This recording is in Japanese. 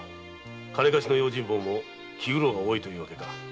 金貸しの用心棒も気苦労が多いというわけか。